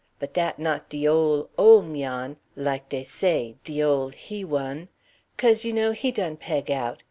But dat not de ole, ole 'Mian like dey say de ole he one. 'Caze, you know, he done peg out.